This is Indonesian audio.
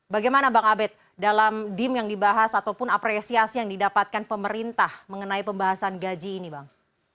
bagaimana bang abed dalam dim yang dibahas ataupun apresiasi yang didapatkan pemerintah mengenai pembahasan gaji ini bang